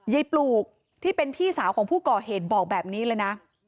ปลูกที่เป็นพี่สาวของผู้ก่อเหตุบอกแบบนี้เลยนะ